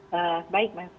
ya baik mas